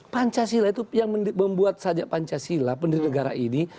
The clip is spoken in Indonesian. pancasila itu yang membuat saja pancasila pendiri negara ini